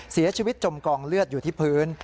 เสียชีวิตจมกองเลือดอยู่ที่พื้น